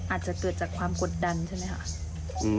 อาจจะเกิดจากความกดดันใช่ไหมคะ